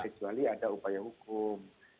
kecuali ada upaya hukum